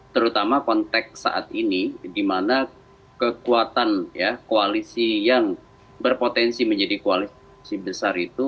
terutama konteks saat ini di mana kekuatan koalisi yang berpotensi menjadi koalisi besar itu